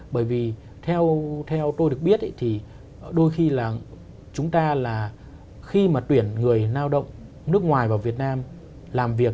bởi vì theo tôi được biết thì đôi khi là chúng ta là khi mà tuyển người lao động nước ngoài vào việt nam làm việc